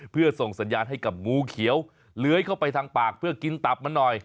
เพื่อส่งสัญญาณให้กับงูเขียวเลื้อยเข้าไปทางปากเพื่อกินตับมันหน่อย